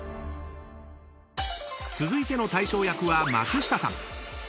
［続いての大将役は松下さん］